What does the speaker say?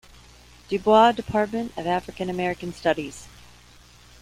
Du Bois Department of African-American Studies.